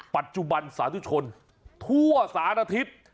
ปัจจุบันสาธุชนทั่วสารอาทิตย์